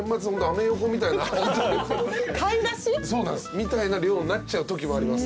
みたいな量になっちゃうときもあります。